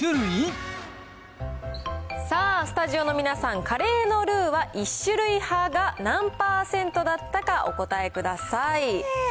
さあ、スタジオの皆さん、カレーのルーは１種類派が何％だったかお答えください。